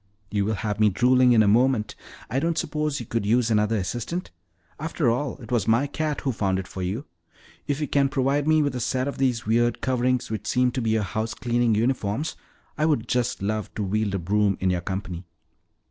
"You will have me drooling in a moment. I don't suppose you could use another assistant? After all, it was my cat who found it for you. If you can provide me with a set of those weird coverings which seem to be your house cleaning uniforms, I would just love to wield a broom in your company."